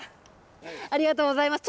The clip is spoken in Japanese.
ありがとうございます。